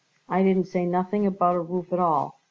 "I didn't say nothing about a roof at all.